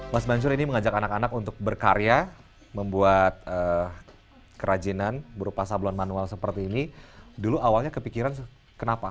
mas mansur ini mengajak anak anak untuk berkarya membuat kerajinan berupa sablon manual seperti ini dulu awalnya kepikiran kenapa